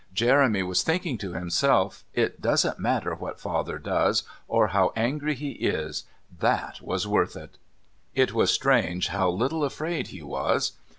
Jeremy was thinking to himself: "It doesn't matter what Father does, or how angry he is, that was worth it." It was strange how little afraid he was.